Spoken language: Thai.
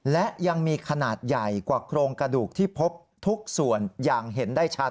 และยังมีขนาดใหญ่กว่าโครงกระดูกที่พบทุกส่วนอย่างเห็นได้ชัด